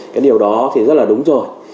cái điều đó thì rất là đúng rồi